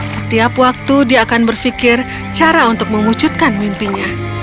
setiap waktu dia akan berpikir cara untuk mewujudkan mimpinya